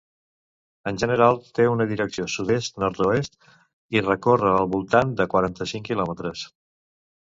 En general, té una direcció sud-est nord-oest, i recorre al voltant de quaranta-cinc quilòmetres.